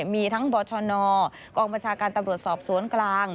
มีทั้งบชนกองบัญชาการตำรวจสอบสวนกลาง